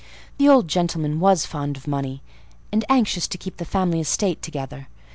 The old gentleman was fond of money, and anxious to keep the family estate together.